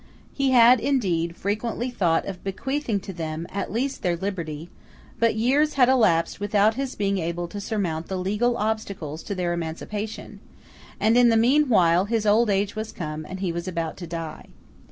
He had indeed frequently thought of bequeathing to them at least their liberty; but years had elapsed without his being able to surmount the legal obstacles to their emancipation, and in the mean while his old age was come, and he was about to die.